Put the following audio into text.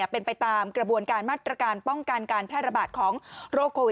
เป็นไปตามกระบวนการมาตรการป้องกันการแพร่ระบาดของโรคโควิด